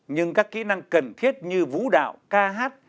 nhưng các kỹ năng cần thiết như vũ đạo ca hát